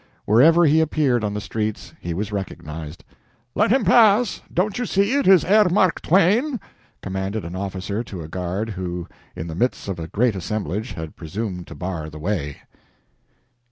Wherever he appeared on the streets he was recognized. "Let him pass! Don't you see it is Herr Mark Twain!" commanded an officer to a guard who, in the midst of a great assemblage, had presumed to bar the way.